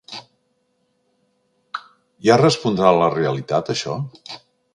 Ja respondrà a la realitat, això?